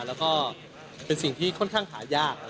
แล้วก็เป็นสิ่งที่ค่อนข้างหายาก